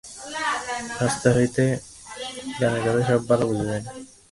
রাস্তা হইতে গানের কথা সব ভালো বোঝা যায় না।